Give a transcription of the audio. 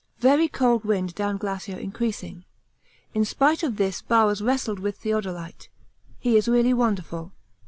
(Very cold wind down glacier increasing. In spite of this Bowers wrestled with theodolite. He is really wonderful.